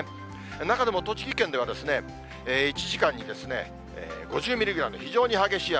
中でも栃木県では、１時間に５０ミリぐらいの非常に激しい雨。